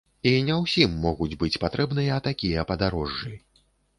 І не ўсім могуць быць патрэбныя такія падарожжы.